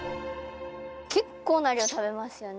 結構な量食べますよね